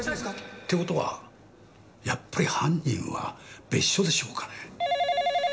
って事はやっぱり犯人は別所でしょうかね？